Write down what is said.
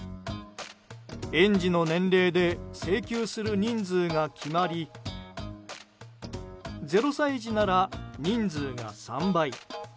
園児の年齢で請求する人数が決まり０歳児なら人数が３倍。